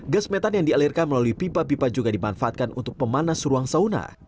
gas metan yang dialirkan melalui pipa pipa juga dimanfaatkan untuk pemanas ruang sauna